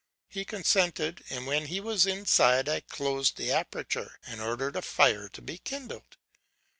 He consented; and when he was inside I closed the aperture, and ordered a fire to be kindled.